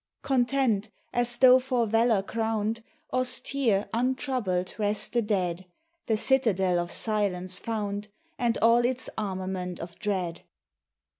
MEMORIAL DAY. Content, as though for valor crowned, Austere, untroubled, rest the dead The citadel of silence found, And all its armament of dread.